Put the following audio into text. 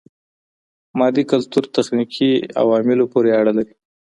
مادي کلتور تخنیکي عواملو پوري اړه لري.